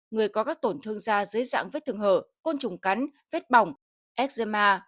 người có các tổn thương da dưới dạng vết thường hở côn trùng cắn vết bỏng eczema